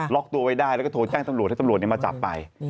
ตัวไว้ได้แล้วก็โทรแจ้งตำรวจให้ตำรวจมาจับไป